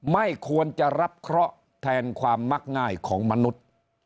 ไม่ควรจะรับเคราะห์แทนความมักง่ายของมนุษย์